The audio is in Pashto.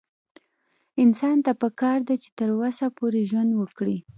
انسان ته پکار ده چې تر وسه پورې ژوند وکړي